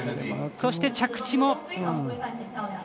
そして、着地も。